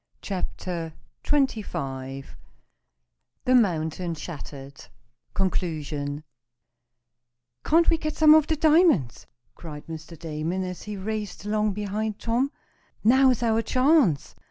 CHAPTER XXV THE MOUNTAIN SHATTERED CONCLUSION "Can't we get some of the diamonds?" cried Mr. Damon, as he raced along behind Tom. "Now's our chance.